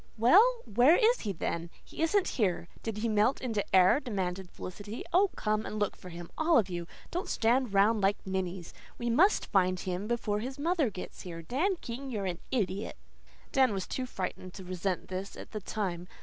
"Well, where is he, then? He isn't here. Did he melt into air?" demanded Felicity. "Oh, come and look for him, all of you. Don't stand round like ninnies. We MUST find him before his mother gets here. Dan King, you're an idiot!" Dan was too frightened to resent this, at the time.